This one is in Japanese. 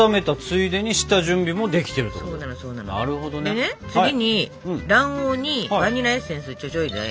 でね次に卵黄にバニラエッセンスちょちょいで。